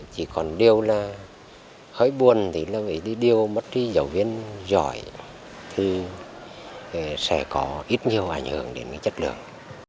chỉ còn điều là hơi buồn thì là vì điều mất đi giáo viên giỏi thì sẽ có ít nhiều ảnh hưởng đến chất lượng